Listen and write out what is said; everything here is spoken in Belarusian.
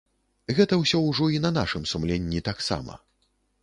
Гэта ўсё ўжо і на нашым сумленні таксама.